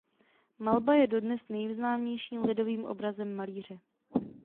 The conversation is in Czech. Malba je dodnes nejznámějším lidovým obrazem malíře.